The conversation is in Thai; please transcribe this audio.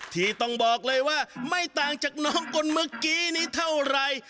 ที่ต้องบอกเลยว่าไม่ต่างจากน้องคนเมื่อกี้นี้เท่าไร